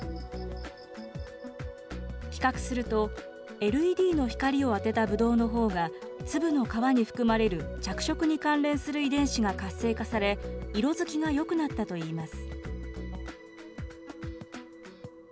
比較すると、ＬＥＤの光を当てたブドウのほうが、つぶの皮に含まれる着色に関連する遺伝子が活性化され、色づきがよくなったといいます。